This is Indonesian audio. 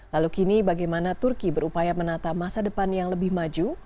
lalu kini bagaimana turki berupaya menata masa depan yang lebih maju